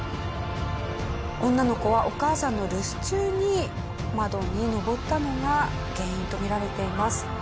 女の子はお母さんの留守中に窓に登ったのが原因と見られています。